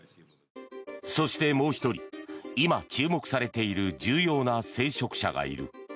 そして、もう１人今注目されている重要な聖職者がいる。